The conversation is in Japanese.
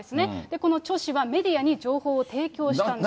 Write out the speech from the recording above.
このチョ氏はメディアに情報を提供したんです。